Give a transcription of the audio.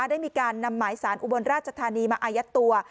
ได้มีการนำหมายสารอุบลราชธานีมาอายัดตัว